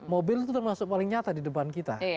mobil itu termasuk paling nyata di depan kita